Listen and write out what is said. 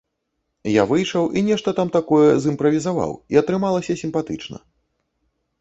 Я выйшаў і нешта там такое зымправізаваў, і атрымалася сімпатычна.